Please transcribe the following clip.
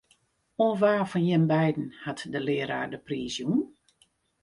Oan wa fan jim beiden hat de learaar de priis jûn?